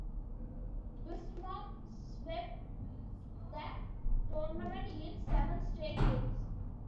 Bismarck swept the tournament in seven straight games.